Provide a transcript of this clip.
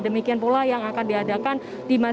demikian pula yang akan diadakan di masjid